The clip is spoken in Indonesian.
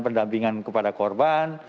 pendampingan kepada korban